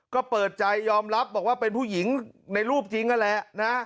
ก็เปิดใจยอมรับบอกว่าเป็นผู้หญิงในรูปจริงนั่นแหละนะ